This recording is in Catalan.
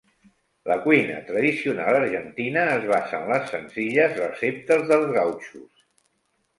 La cuina tradicional argentina es basa en les senzilles receptes dels gautxos.